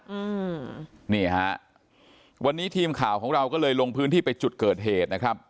อืมนี่ฮะวันนี้ทีมข่าวของเราก็เลยลงพื้นที่ไปจุดเกิดเหตุนะครับ